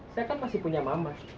saya kan masih punya mama